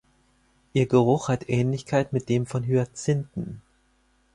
Ihr Geruch hat Ähnlichkeit mit dem von Hyazinthen.